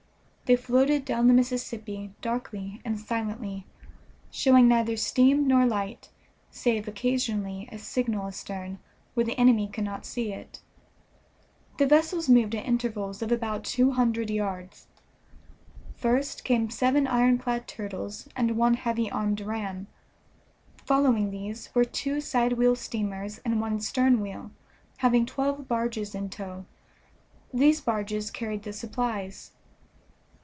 They floated down the Mississippi darkly and silently, showing neither steam nor light, save occasionally a signal astern, where the enemy could not see it. The vessels moved at intervals of about two hundred yards. First came seven ironclad turtles and one heavy armed ram; following these were two side wheel steamers and one stern wheel, having twelve barges in tow; these barges carried the supplies.